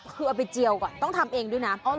คือเอาไปเจียวก่อนต้องทำเองด้วยนะ